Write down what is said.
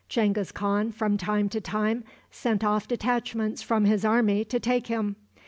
Genghis Khan from time to time sent off detachments from his army to take him.